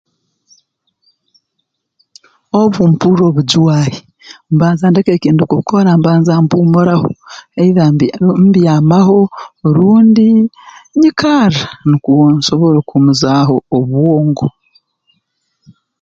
Obu mpurra obujwahi mbanza ndeka eki ndukukora mbanza mpuumuraho either mby mbyamaho rundi nyikarra nukwo nsobole kuhuumuzaaho obwongo